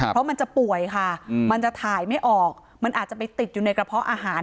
เพราะมันจะป่วยค่ะมันจะถ่ายไม่ออกมันอาจจะไปติดอยู่ในกระเพาะอาหาร